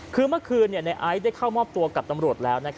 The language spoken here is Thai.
คือเมื่อคืนในไอซ์ได้เข้ามอบตัวกับตำรวจแล้ว